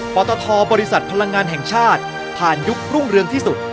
ปตทบริษัทพลังงานแห่งชาติผ่านยุครุ่งเรืองที่สุด